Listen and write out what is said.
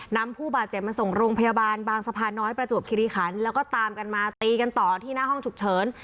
นำผู้บาดเจ็บมาส่งโรงพยาบาลบางสะพานน้อยประจวบคิริคันแล้วก็ตามกันมาตีกันต่อที่หน้าห้องฉุกเฉิน